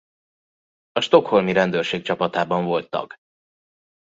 A Stockholmi Rendőrség csapatában volt tag.